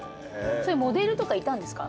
モデルとかいたんですか？